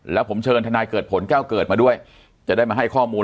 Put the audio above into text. แล้วผมเชิญทนายเกิดผลแก้วเกิดมาด้วยจะได้มาให้ข้อมูล